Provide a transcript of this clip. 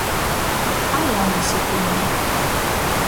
A jau nasepinej!